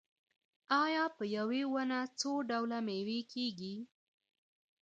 آیا په یوه ونه څو ډوله میوه کیږي؟